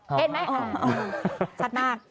เห็นไหมชัดมาก